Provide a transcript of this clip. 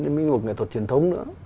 những nghệ thuật truyền thống nữa